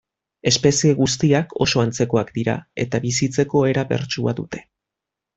Espezie guztiak oso antzekoak dira, eta bizitzeko era bertsua dute.